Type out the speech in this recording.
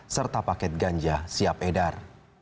serta paket ganja siap edar